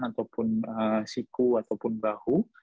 ataupun siku ataupun bahu